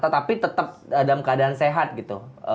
tetapi tetap dalam keadaan sehat gitu